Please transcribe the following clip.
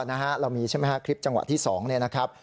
เรามีใช่ไหมฮะคลิปจังหวะที่๒เนี่ยนะครับ